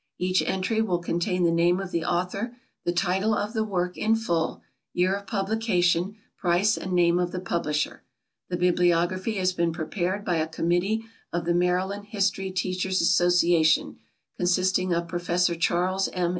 Each entry will contain the name of the author, the title of the work in full, year of publication, price and name of the publisher. The bibliography has been prepared by a committee of the Maryland History Teachers' Association, consisting of Professor Charles M.